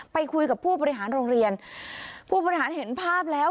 ไปคุยกับผู้บริหารโรงเรียนผู้บริหารเห็นภาพแล้ว